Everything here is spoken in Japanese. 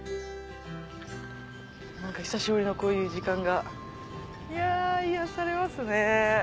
何か久しぶりのこういう時間がいや癒やされますね。